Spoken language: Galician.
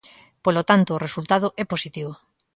Polo tanto, o resultado é positivo.